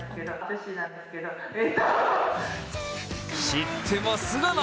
知ってますがな！